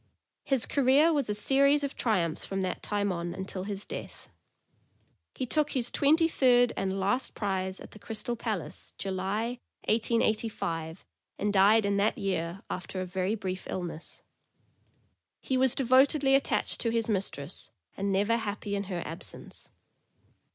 His career was a series of triumphs from that time on until his death. He took his twenty third and last prize at the Crystal Palace, July, 1885, and died in that year, after a very brief illness. He was devotedly attached to his mistress, and never happy in her absence.